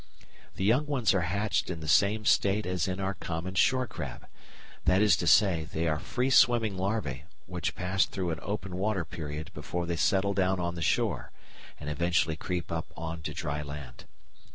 The young ones are hatched in the same state as in our common shore crab. That is to say, they are free swimming larvæ which pass through an open water period before they settle down on the shore, and eventually creep up on to dry land.